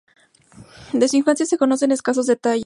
De su infancia se conocen escasos detalles.